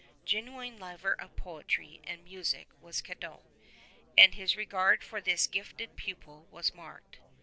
Genuine lover of poetry and of music was Cadoc, and his regard for this gifted pupil was marked.